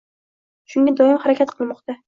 Shunga doim harakat qilmoqda.